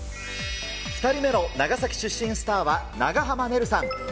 ２人目の長崎出身スターは長濱ねるさん。